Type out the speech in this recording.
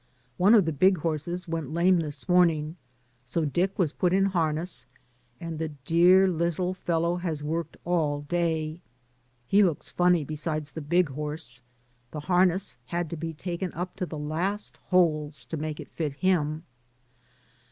One of the big horses went lame this morning, so Dick was put in harness and the dear little fellow has worked all day. He looks funny beside the big horse; the harness had to be taken up to the last holes to make it fit him.